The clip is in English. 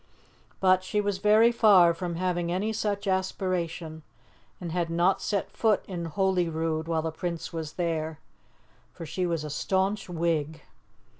But she was very far from having any such aspiration, and had not set foot in Holyrood while the Prince was there, for she was a staunch Whig.